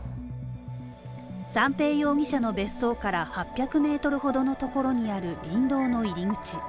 三瓶容疑者の別荘から８００ｍほどのところにある林道の入り口。